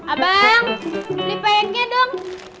abang beli payetnya dong